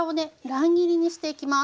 乱切りにしていきます。